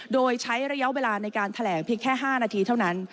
โดยใช้ระยะเวลาในการแถลงเพียงแค่๕นาทีเท่านั้น